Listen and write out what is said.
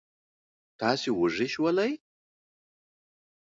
تاسې وږي شولئ.